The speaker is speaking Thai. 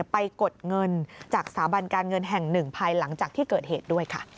กดเงินจากสถาบันการเงินแห่งหนึ่งภายหลังจากที่เกิดเหตุด้วยค่ะ